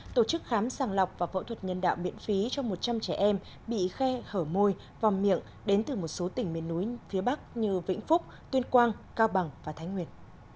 tổ chức khám sàng lọc và phẫu thuật nhân đạo miễn phí cho một trăm linh trẻ em bị khe hở môi vòng miệng đến từ một số tỉnh miền núi phía bắc như vĩnh phúc tuyên quang cao bằng và thái nguyệt